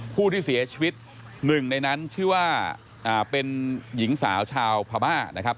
ผู้ที่เสียชีวิตหนึ่งในนั้นชื่อว่าเป็นหญิงสาวชาวพม่านะครับ